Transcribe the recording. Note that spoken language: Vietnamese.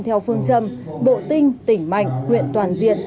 theo phương châm bộ tinh tỉnh mạnh huyện toàn diện